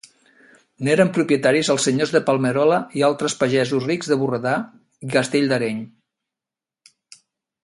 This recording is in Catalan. N'eren propietaris els senyors de Palmerola i altres pagesos rics de Borredà i castell d'Areny.